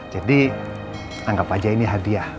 jadi anggap aja ini hadiah